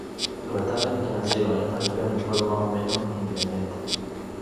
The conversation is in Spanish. Los estándares que nacieron en estas regiones fueron más o menos independientes.